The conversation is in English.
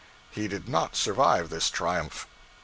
He did not survive this triumph.